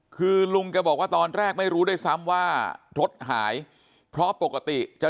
คือลุงแกบอกว่าตอนแรกไม่รู้ด้วยซ้ำว่ารถหายเพราะปกติจะ